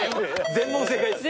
全問正解です。